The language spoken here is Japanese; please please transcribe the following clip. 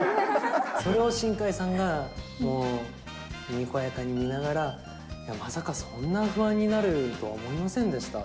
それを新海さんが、もう、にこやかに見ながら、まさかそんな不安になるとは思いませんでした、